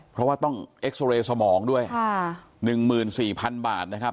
เพราะว่าต้องเอ็กซอเรย์สมองด้วยค่ะหนึ่งหมื่นสี่พันบาทนะครับ